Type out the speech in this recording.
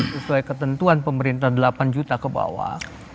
sesuai ketentuan pemerintah delapan juta kebawah